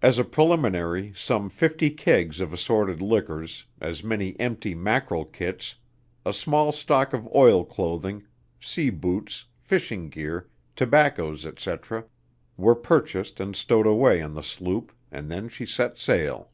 As a preliminary some fifty kegs of assorted liquors, as many empty mackerel kits, a small stock of oil clothing, sea boots, fishing gear, tobaccos, etc., were purchased and stowed away on the sloop, and then she set sail.